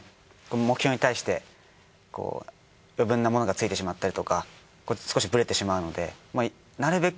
目標に対して余分なものがついてしまったりとか少しブレてしまうのでなるべく